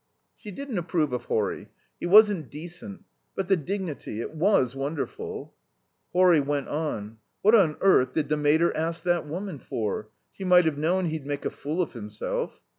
She didn't approve of Horry. He wasn't decent. But the dignity it was wonderful. Horry went on. "What on earth did the mater ask that woman for? She might have known he'd make a fool of himself."